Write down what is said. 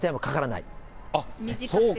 そうか。